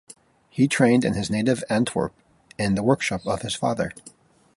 He trained in his native Antwerp in the workshop of his father.